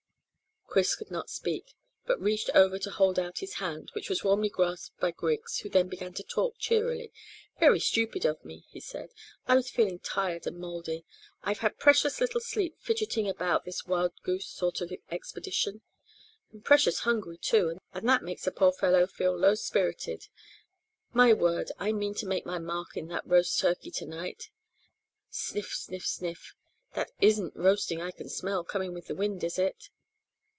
Chris could not speak, but reached over to hold out his hand, which was warmly grasped by Griggs, who then began to talk cheerily. "Very stupid of me," he said. "I was feeling tired and mouldy. I've had precious little sleep, fidgeting about this wild goose sort of expedition. I'm precious hungry too, and that makes a poor fellow feel low spirited. My word, I mean to make my mark in that roast turkey to night! Sniff, sniff, sniff! That isn't roasting I can smell, coming with the wind, is it?"